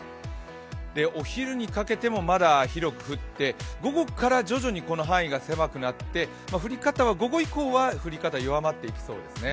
お昼にかけてもまだ広く降って午後から徐々にこの範囲が狭くなって午後以降は降り方、弱まっていきそうですね。